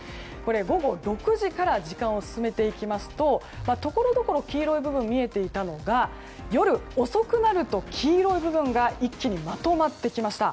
は午後６時から時間を進めていきますとところどころ黄色い部分が見えていたのが夜遅くなると黄色い部分が一気にまとまってきました。